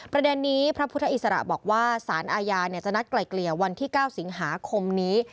ประเด็นนี้พระพุทธอิสระบอกว่าสารอาญาจะนัดไกลเกลี่ยวันที่๙สิงหาคมนี้